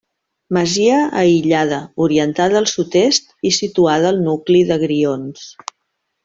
Masia aïllada, orientada al sud- est i situada al nucli de Grions.